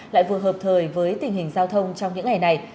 lại vừa hợp thời với tình hình giao thông trong những ngày này